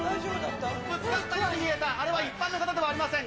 ぶつかったように見えた、一般の方ではございません。